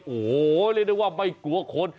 โอ้โหเรียกได้ว่าไม่กลัวคน